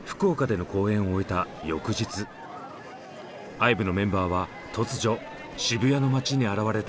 ＩＶＥのメンバーは突如渋谷の街に現れた。